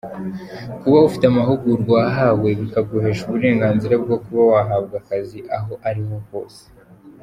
Kuba ufite amahugurwa wahawe, bikaguhesha uburenganzira bwo kuba wahabwa akazi aho ariho hose.